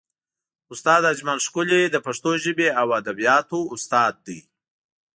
استاد اجمل ښکلی د پښتو ژبې او ادبیاتو استاد دی.